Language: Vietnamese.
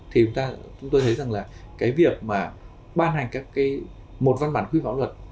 thì chúng ta thấy rằng là cái việc mà ban hành một văn bản khuyên pháp luật